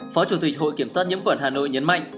phó chủ tịch hội kiểm soát nhâm quẩn hà nội nhấn mạnh